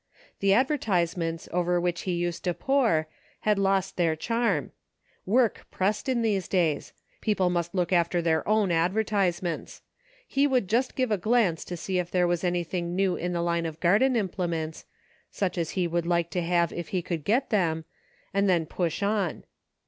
The adver tisements over \jfhich he used to pore had lost their charm ; work pressed in these days ; people must look after their own advertisements ; he would just give a glance to see if there was anything new in the line of garden implements, such as he would like to have if he could get them, and then push on.